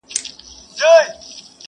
زه له ټولو سره خپل د هیچا نه یم.!